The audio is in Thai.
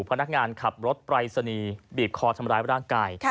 พนักงานขับรถปรายศนีย์บีบคอทำร้ายร่างกาย